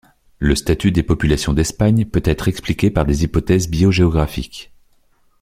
Le statut des populations d’Espagne peut être expliqué par des hypothèses biogéographiques.